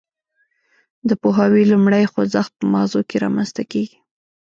د پوهاوي لومړی خوځښت په مغزو کې رامنځته کیږي